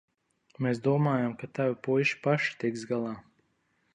Mēs domājām, ka tavi puiši paši tiks galā.